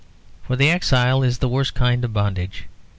For exile is the worst kind of bondage.